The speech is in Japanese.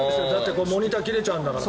モニター切れちゃうんだから。